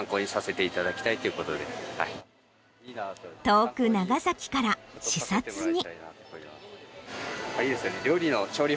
遠く長崎から視察に。